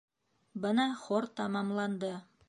Бына хор тамамланды.